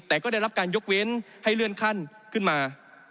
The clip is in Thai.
แต่ก็ได้รับการยกเว้นให้เลื่อนขั้นขึ้นมา